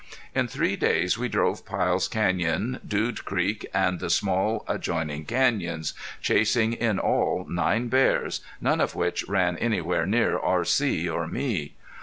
In three days we drove Pyle's Canyon, Dude Creek, and the small adjoining canyons, chasing in all nine bears, none of which ran anywhere near R.C. or me.